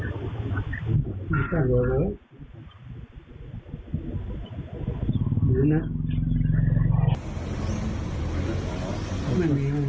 ออกร้อยด้วยลำบุแม่นหลักร้อยเอาเงินได้เยอะกันแล้ว